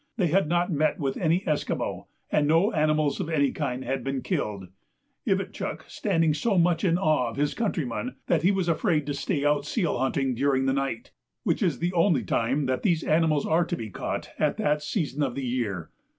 They had not met with any Esquimaux, and no animals of any kind had been killed, Ivitchuk standing so much in awe of his countrymen that he was afraid to stay out seal hunting during the night, which is the only time that these animals are to be caught at that season of the year.